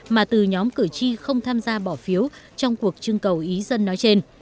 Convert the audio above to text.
mà từ nhóm cử tri không tham gia bỏ phiếu trong cuộc trưng cầu ý dân nói trên